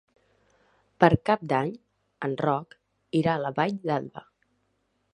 Per Cap d'Any en Roc irà a la Vall d'Alba.